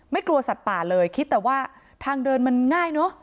กลัวสัตว์ป่าเลยคิดแต่ว่าทางเดินมันง่ายเนอะ